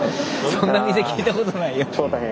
そんな店聞いたことないよ。